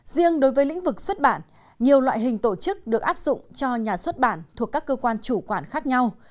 riêng đối với lĩnh vực xuất bản nhiều loại hình tổ chức được áp dụng cho nhà xuất bản thuộc các cơ quan chủ quản khác nhau